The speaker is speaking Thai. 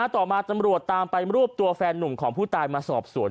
ต่อมาตำรวจตามไปรวบตัวแฟนนุ่มของผู้ตายมาสอบสวน